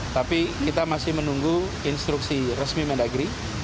tapi kita masih menunggu instruksi resmi mendagri